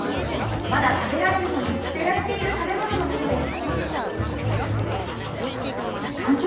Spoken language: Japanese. まだ食べられるのに捨てられている食べ物のことです。